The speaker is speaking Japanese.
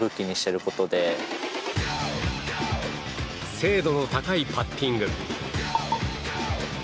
精度の高いパッティング。